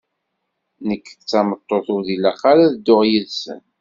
Nekk d tameṭṭut ur ilaq ara ad dduɣ yid-sen!